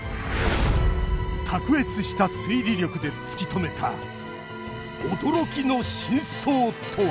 卓越した推理力で突き止めた驚きの真相とは？